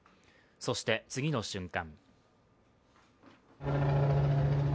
そして、次の瞬間